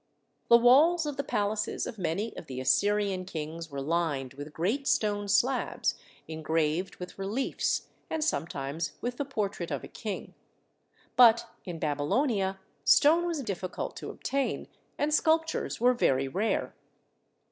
The walls of the palaces of many of the Assyrian kings were lined with great stone slabs engraved with reliefs and sometimes with the portrait of a king. But in Babylonia stone was difficult to obtain, and sculptures were very rare.